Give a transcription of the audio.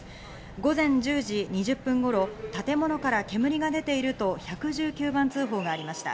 午前１０時２０分頃、建物から煙が出ていると１１９番通報がありました。